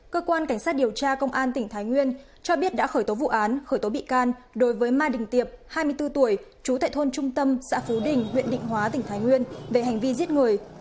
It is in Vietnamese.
cơ quan cảnh sát điều tra công an tỉnh thái nguyên cho biết đã khởi tố vụ án khởi tố bị can đối với mai đình tiệp hai mươi bốn tuổi chú tại thôn trung tâm xã phú đình huyện định hóa tỉnh thái nguyên về hành vi giết người